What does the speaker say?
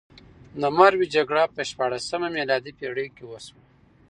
د مروې جګړه په شپاړلسمه میلادي پېړۍ کې وشوه.